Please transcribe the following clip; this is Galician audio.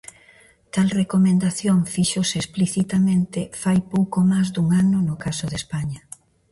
Tal recomendación fíxose explícita fai pouco máis dun ano no caso de España.